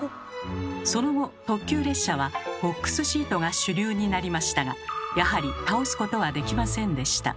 その後特急列車はボックスシートが主流になりましたがやはり倒すことはできませんでした。